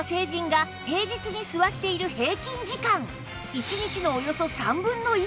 １日のおよそ３分の１